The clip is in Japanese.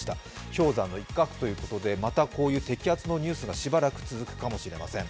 氷山の一角ということで、またこの摘発のニュースがしばらく続くかもしれません。